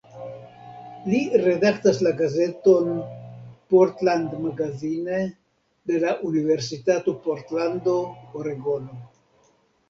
Li redaktas la gazeton "Portland Magazine" de la Universitato Portlando, Oregono.